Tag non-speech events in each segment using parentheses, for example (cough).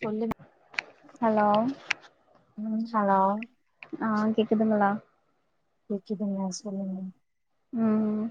சொல்லு hello hello ஆ கேக்குதுங்களா கேக்கிந்துங்க சொல்லுங்க ம்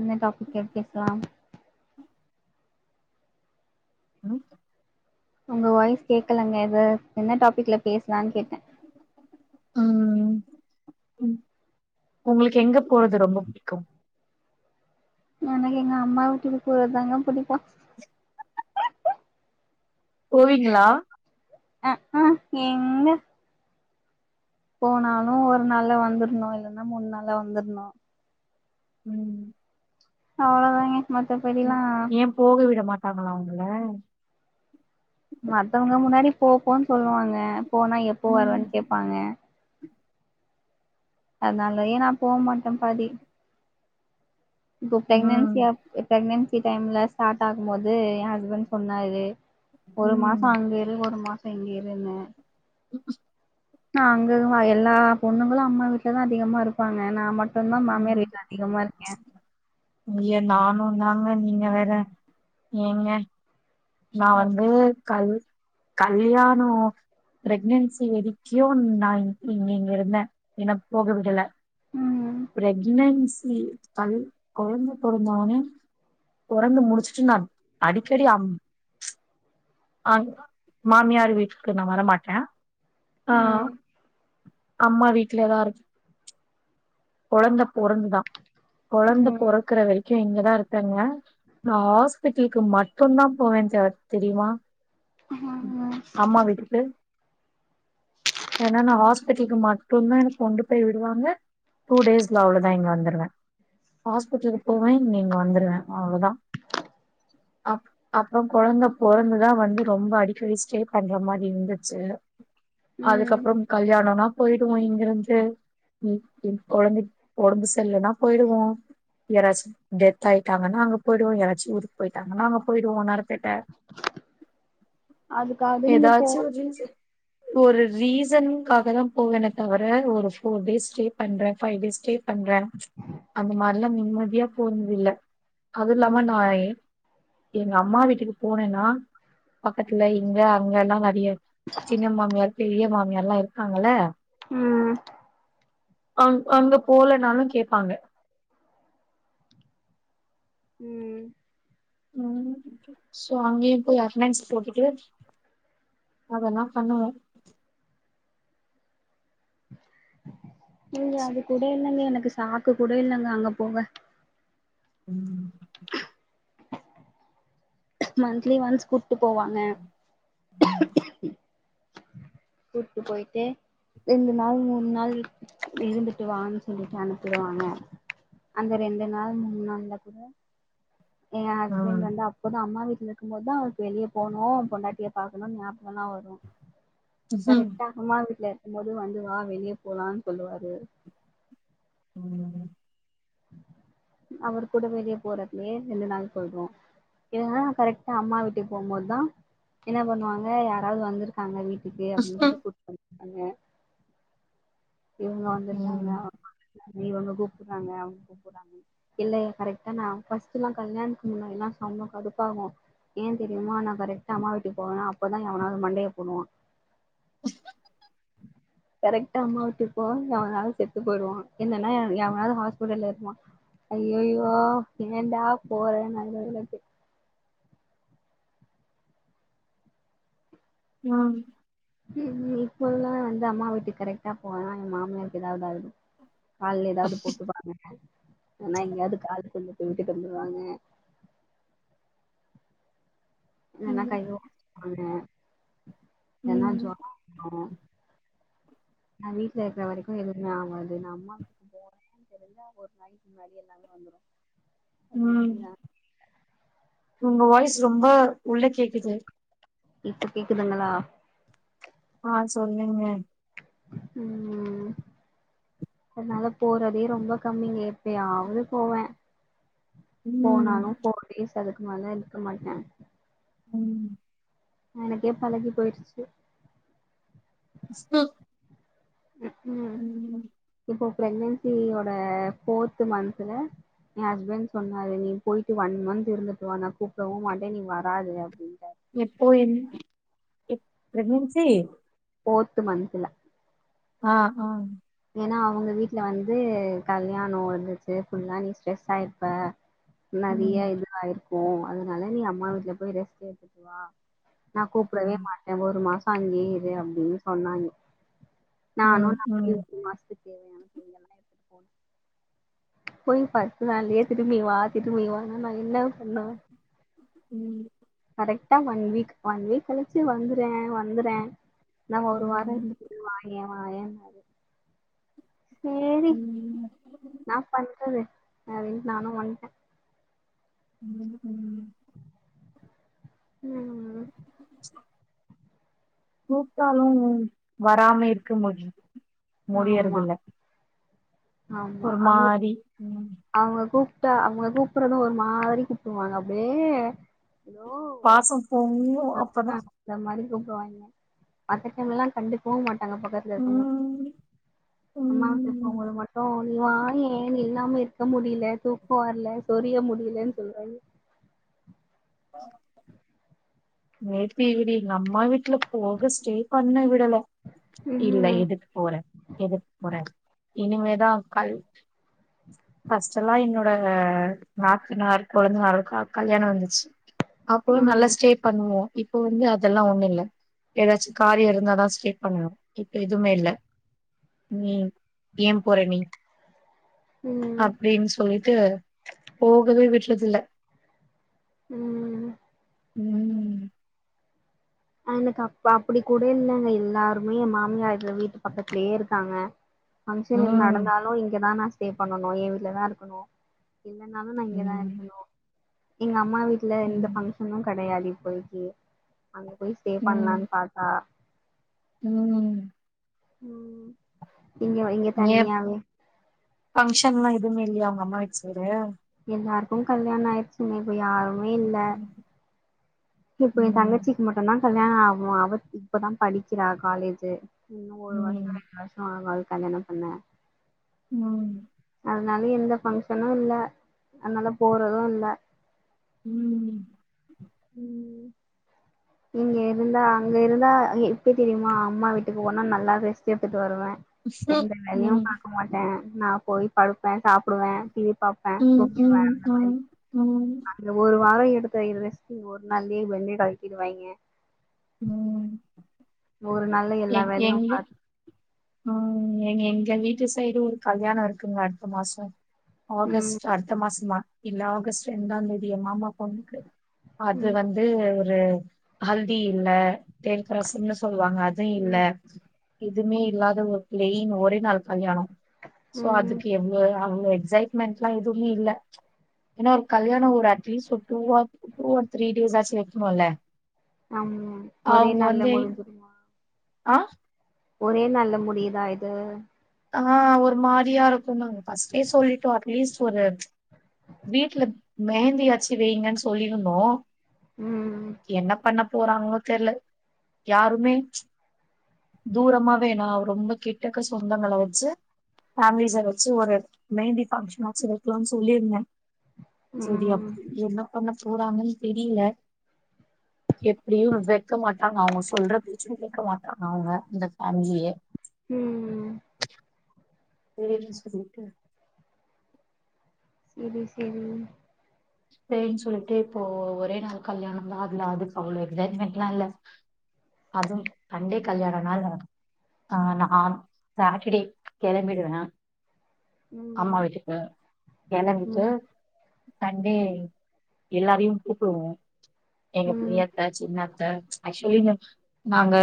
என்ன டாபிக் எடுத் பேஸ்லாம் ம் உங்க வாய்ஸ் கேக்கலங்க இது என்ன டாபிக்ல பேசலான் கேட்ட ம் உங்ளுக்கு எங்க போறது ரொம்ப படிக்கு எனக்கு எங்க அம்மா வீட்டுக்கு போறது தாங்க புடிக்கு போவீங்ளா அ க எங்க போனாலு ஒரு நாள் வந்துருணு இல்லன்னா மூணு நாள் வந்துருணு ம் அவ்ளதாங்க ம் மத்தபடிலா ஏ போக விட மாட்டாங்ளா உங்ள மத்தவங்க முன்னாடி போபோன் சொல்லுவாங்க போனா எப்போ ம் வரன் கேபாங்க அதனால ஏனா நா போ மாட்ட பாதி இப்போ ம் பிரெகனன்சியா பிரெகனன்சி டைம்ல ஸ்டாட் ஆகும்போது ஏ ஹஸ்பண்ட் சொன்னாரு ஒரு மாச ம் அங்க இரு ஒரு மாச இங்க இருனு ம் நா அங்கு எல்லா பொண்ணுகளு அம்மா வீட்லதா அதிகமா இருப்பாங்க நா மட் ட்டுதா மாமியார் ம். வீட்ல அதிகமா இருக்க ஐய நானு தாங்க நீங்க வேற ஏங்க நா வந்து கல் கல்யானோ பிரெக்னன்சி வரிக்கு நா இங்க இங்க இருந்த என்ன போக விடல ம் பிரெக்னன்சி கல் கொழந்த பொறந்த ஒனே புறந்து முடிச்சுட்டு நா அடிக்கடி அம் அ மாமியார் வீட்டுக்கு நா வரமாட்ட ஆ ம் அம்மா வீட்லயேதா இரு கொழந்த பொறந்துதா கொழந்த ம் பொறக்குற வரைக்கு இங்கதா இருக்றேங்க நா ஹாஸ்பிட்டல்கு மட்டுந்தா போவே த தெரியுமா ம் அம்மா வீட்டுக்கு ஏன்னா நா ஹாஸ்பிட்டலுக்கு மட்டுந்தா எனக் கொண்டு போய் விடுவாங்க டூ டேஸ்ல அவ்ளோதா இங்க வந்துருவே ஹாஸ்பிட்டலுக்கு போவே இங்கெ இங்க வந்துருவே அவ்ளோதா அப் அப்றொ கொழந்த பொறந்துதா வந்து ரொம்ப அடிக்கடி ஸ்டே பண்ற மாரி இருந்துச்சு ம் அதுக்கப்றொம் கல்யாணொனா போயிடுவோ இங்கெருந்து என் கொழந்தக்கி ஒடம்பு செர்லனா போயிடுவோ யாராச்சு டெத் ஆயிட்டாங்கனா அங்க போய்டுவோ யாராச்சு ஊர்க்கு போயிட்டாங்கன்னா அங்க போயிடுவோ நட (unintelligible) அதுக்காவது நீங்க போ ஏதாச்சு ரீசன் ஒரு ரீசன்காக தா போவேனே தவர ஒரு ஃபோர் டேஸ் ஸ்டே பண்றே ஃபைவ் டேஸ் ஸ்டே பண்றே அந்த மாரில்லா நிம்மதியா போனதில்ல அது இல்லாம ம் நா ஏ எங்க அம்மா வீட்டுக்கு போறேன்னா பக்கத்துல இங்க அங்க எல்லா நெறிய சின்ன மாமியார் பெரிய மாமியார்லா இருக்காங்கல்ல ம் அங் அங்க போலனாலு கேப்பாங்க ம் ம் சோ அங்கெயு போய் அட்னன்ஸ் போட்டுட்டு அதெல்லா பண்ணுவோ இங்க அது கூட இல்லங்க எனக்கு சாக்கு கூட இல்லங்க அங்க போக ம் மந்த்லி ஒன்ஸ் கூட்டு போவாங்க ம் கூட்டு போய்ட்டு ரெண்டு நாள் மூனு நாள் இருந்துட்டு வானு சொல்லிட்டு அனுப்பிடுவாங்க அந்த ரெண்டு நாள் மூனு நாள்ல கூட ஏ ம் ஹஸ்பண்ட் வந்து அப்பதா அம்மா வீட்ல இர்க்கும் போதுதா அவருக்கு வெளிய போணு பொண்டாட்டிய பாக்கணுன் ஞாபகோல்லா வரு கரெட்டா அம்மா வீட்டுல இருக்கு போது வந்து வா வெளிய போலான்னு சொல்லுவாரு ம் அவர் கூட வெளிய போறதுலே ரெண்டு நாள் போய்டுவோ இல்லனா கரெக்டா அம்மா வீட்டுக்கு போகும்போதுதா என்ன பண்ணுவாங்க யாராவ்து வந்துரு காங்க வீட்டுக்கு அப்டின்னு ம். சொல்லி கூட்டு (inaudible) இவுங்க வந்துருக்காங்க ம் அவுங்க வந்துருக்காங்க இவங்க கூப்புட்றாங்க அவுங்க கூப்புட்றாங்க இல்லையே கரெக்டா நா ஃபஸ்ட்டுல்லா கல்யாணத்க்கு முன்னாடில்லா செம்ம கடுப்பாகு ஏ தெரியுமா நா கரெக்டா அம்மா வீட்டுக்கு போவே அப்பதா எவனாது மண்டைய போடுவா கரெக்டா அம்மா வீட்டுக் போவே எவனாது செத்து போய்ருவா இல்லன்னா எவனாது ஹாஸ்பிட்டல்ல இருப்பா அய்யோயோ ஏன்டா போறன்னாய்டு எனக்கு ஆ ம் இப்பொல்லா வந்து அம்மா வீட்டுக்கு கரெக்டா போவே எ மாமியார்க்கு ஏதாவ்து ஆயிடுது கால்ல எதாவது போட்டுப்பாங்க இல்னா எங்கேயாது காலக்குள்ள போய் விட்டுட்டு வந்துருவாங்க இல்லனா ம் கைய ஒடச்சுப்பாங்க இல்லனா ம் ஜொரோ வந்துரு நா வீட்ல இருக்குற வரைக்கு எதுவுமே ஆகாது எங்க அம்மா க்குன் தெரிஞ்சா ஒரு நாளைக்கி வலி எல்லாமே வந்துரு அது ம் எப்டினா உங்க வாய்ஸ் ரொம்ப உள்ள கேக்குது இப்ப கேக்குதுங்களா ஆ சொல்லுங்க ம் அதனால போறதே ரொம்ப கம்மிங்க எப்பையாவ்து போவே ம் போனாலு போஃர் டேஸ் அதுக்கு மேல இருக்க மாட்டே ம் எனக்கே பழகி போயிருச்சு ஸ்னு ம்கூம் இப்போ ப்ரெக்னென்சியோட ஃபோர்து மந்த்ல என் ஹஸ்பண்ட் சொன்னாரு நீ போயிட்டு ஒன் மந்த் இருந்துட்டுவா நா கூப்டவு மாட்டே நீ வராத அப்டின் எப்போ என் எப் ப்ரெக்னன்சி ஃபோர்த்து மந்துல ஆ ஆ ஏன்னா அவுங்க வீட்டுல வந்து கல்யாணோ இருந்துச்சு ஃபுல்லா நீ ஸ்ட்ரெஸ் ஆயிருப்ப நறைய ம் இது ஆயிருக்கூ அதனால நீ அம்மா வீட்டுல போய் ரெஸ்ட் எடுத்துட்டு வா நா கூப்டவே ம் மாட்டே ஒரு மாசோ அங்கேயே இரு அப்டின்னு சொன்னாங்க அ அ மாஸ்துக்கு தேவையான (unintelligible) போய் பத்துனாள்ளயே திரும்பி வா திரும்பி வானா நா என்னா பண்ணுவ ம் கரெக்டா ஒன் வீக் ஒன் வீக் கழிச்சு வந்துறே வந்துறே நா ஒரு வாரோ ம் இருந்துட்டு வாயே வாயேன்னாரு சேரி ம் ன்னா பண்றது அப்டின்ட்டு நானு வந்ட்டே ம் ம் ம் ஆ (unintelligible) கூப்ட்டாலு வராம இருக்க முடி ஆமா முடியரதுல்ல ஆமா அவுங்க ம் அவுங்க கூப்ட்டா அவுங்க கூப்பறது ஒரு மாரி கூப்டுவாங்க அப்டியே எதோ பாசம் பொங்கூ அப்பதா இந்த மாதிரி கூப்டுவாங்ங மத்த டைம் எல்லா கண்டுக்வு மாட்டாங்க பக்கத்து ம் அம்மாவ ம் கூப்டம்போது மட்டு நீ வாயே நீ இல்லாம இருக்க முடியில தூக்கோ வர்ல சொரிய முடியலன் சொல்வாங்ங ஆ (inaudible) வேப்பி விடி எங்க அம்மா வீட்ல போக ஸ்டே பண்ண விடல இல்ல ம் எதுக்கு போற எதுக்கு போற இனிமேதா கல் ஃபஸ்ட் எல்லா என்னோட நாத்துனார் கொழந்தனாரோட கல்யாணொ வந்துச்சு அப்போலா நல்லா ம் ஸ்டே பண்ணுவோ இப்போ வந்து அதெல்லா ஒண்ணு இல்ல ஏதாச்சு காரியோ இருந்தாதா ஸ்டே பண்ணுவோ இப்ப எதுமே இல்ல நீ ஏ போற நீ ம் அப்டின் சொல்லிட்டு போகவே விட்றது இல்ல ம் ம் எனக்கு அ அப்டி கூட இல்லைங்க எல்லாருமே எ மாமியார்ல வீட்டு பக்கத்துலேயே இருக்காங்க (inaudible) பங்க்ஷன் ம் நடந்தாலு இங்கதா நா ஸ்டே பண்ணணு எ வீட்டுலதா இருக்கணு இல்லைனாலு நா இங்கதா ம் இருக்கணு எங்க அம்மா வீட்டுல எந்த ம் பங்கஷ னு கிடையாது இப்போதைக்கி அங்க போய் ஸ்டே ம் பண்ணலான்னு பாத்தா ம் ம் இங்க இங்கே தனியாவே பங்க்ஷன் எல்லா எதுவுமே இல்லையா உங்க அம்மா வீட் சைடு எல்லாருக்கு கல்யாணோ ஆயிடுச்சுங்க இப்ப யாருமே இல்ல இப்போ எ தங்க ம் ச்சிக்கு மட்டும்தா கல்யாணோ ஆகு அவ இப்பதா படிக்கிறா காலேஜு இன்னு ஒரு ம் வருஷோ ம் ரெண்டு வருஷோ ஆகு அத கல்யாணோ பண்ணே ம் அதனால எந்த பஃங்க்ஷனு இல்ல அதனால போறது இல்ல ம் ம் இங்க இருந்தா அங்க இருந்தா எப்ப தெரியுமா அம்மா வீட்டுக்கு போனா நல்லா ரெஸ்ட்டெடுத்துட்டு வருவே எந்த ம் வேலையு பாக்க மாட்டே நா போய் படுப்பே சாப்பிடுவே டிவி பாப் ம் ம் அ அ அங்க ஒரு வாரோ எடுத்த ரெஸ்ட் ஒரு நாள்லயே பெண்டே கழட்டிவாயிங்க ம் ஒரு நாள்ல எ எல்லா வேலையு எங்க பாத் ம் எ எங்க வீட்டு சைடு ஒரு கல்யாணோ இருக்குங்க அடுத்த மாசோ ம் ஆகஸ்ட் அடுத்த மாசந்தா இல்ல ஆகஸ்ட் ரெண்டாந் தேதி எ மாமா பொண்ணுக்கு அது ம் வந்து ஒரு ஹல்தி இல்ல தேற்கற்சம்னு சொல்லுவாங்க அ து இல்ல ம் எதுவுமே இல்லாத ஒரு பிளைன் ஒரே நாள் கல்யாணோ சோ ம் அதுக் கு எவ்ளோ அவளோ எக்ஸைட்மெண்ட் எல்லா எதுவுமே இல்ல ஏன்னா ஒரு கல்யாணோ ஒரு அட்லீஸ்ட் ஒரு two or two or three days ஆச்சு வெக்கணுல ஆமா ஒரே அவ்ங்க நாள்ல வந்தேய் ஆ ஓரே நாள்ல முடியுதா இது ஆ ஒரு மாரியா இருக்குன்னு ஃபர்ஸ்டே சொல்லிட்டோ அட்லீஸ்ட் ஒரு வீட்ல மெகந்தியாச்சு வெய்ங்கன்னு சொல்லியிருந்தோ ம் என்ன பண்ணஒ போறாங்ளோ தெர்ல யாருமே தூரமா வேணா ரொம்ப கிட்டக்க சொ ந்தங்கள வச்சு ஃபேமிலிஸ வச்சு ஒரு மெகந்தி பங்ஷனாச்சு வெக்கலானு சொல்லிருந்தே செரியா ம் என்ன பண்ணப் போறாங்கன்னு தெரியல எப்டியு வெக்கமாட்டாங்க அவங்க சொல்ற பேச்சு கேக்க மாட்டாங்க அவங்க அந்த ஃபேமிலியே ம் ஒரே நிமிஷ வீக்கு செரி செரி செரினு சொல்லிட்டு இப்போ ஒரே நாள் கல்யாணந் தா அதுல அதுக்கு அவ்வள எக்ஸைட்மெண்ட்லா இல்ல அதும் சண்டே கல்யாணனால ஆ நா சாட்டர்டே கெளம்பிடுவே ம் அம்மா வீட்டுக்கு கெளம்பிட்டு ம் டேய் எல்லாரையு கூப்டுவோ எங்க ம் பிள்ள அத்த சின்னத்த ஆக்சுவலி நாங்க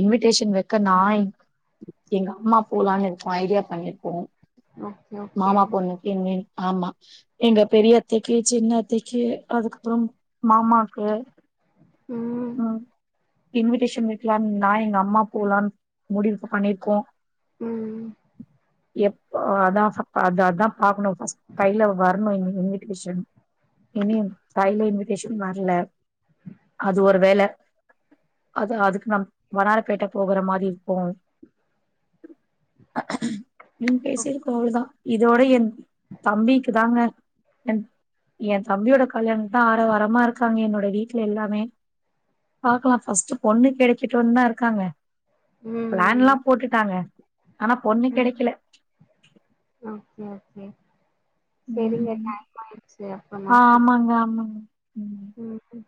இன்விடேஷன் வைக்க நா எங்க அம்மா போலான்னு இருக்கோ ஐடியா பண்ணிருக்கோ ஓகே ஓகே மாமா பொண்ணுக்கு இனி ஆமா எங்க பெரிய அத்தைக்கு சின்ன அத்தைக்கு அதுக்கப்றோ மாமாக்கு ம் ம் இன்விடேஷன் வெக்கலா நா எங்க அம்மா போலான் முடிவு பண்ணிருக்கோ ம் எப் அதா அதாதா பாக்கணு ஃப்ர்ஸ்ட் கைல வரணு இன்வி டேஷன் இனி கைல இன்விடேஷன் வரல அது ஒரு வேல அதா அதுக்கு நம் வண்ணாரப்பேட்ட போகுற மாரி இருக்கு நம் பேசிருக்கோ அவ்ளதா இதோட ஏ தம்பிக்கு தாங்க என் ஏ தம்பியோட கல்யாணந்தா ஆர வாரமா இருக்காங்க என்னோட வீட்ல எல்லாமே பாக்கலா ஃபர்ஸ்ட் பொண்ணு கெடைக்கட்டனுதா இருக்காங்க ம் பிளான்லா போட்டுட்டாங்க ஆனா பொண்ணு ம் கெடைக்கல ஓகே ஓகே செரிங்க ம் டைம் ஆயிருச்சி அப்பன்னா ஆ ம் ஆமாங்க ஆமாங்க ம் ம்